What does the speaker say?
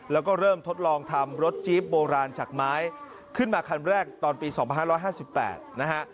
แล้วก็เริ่มทดลองทำรถจี๊บโบราณจากไม้ขึ้นมาคันแรกตอนปีสองพันห้าร้อยห้าสิบแปดนะฮะ